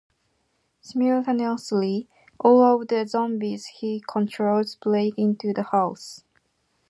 Simultaneously, all of the zombies he controls break into the house.